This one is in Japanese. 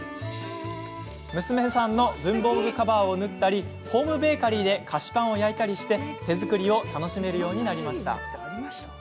娘さんの文房具カバーを縫ったりホームベーカリーで菓子パンを焼いたり、手作りを楽しめるようになりました。